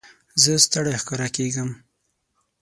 زه ستړی ښکاره کېږم.